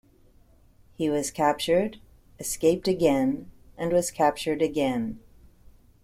He was captured, escaped again and was captured again.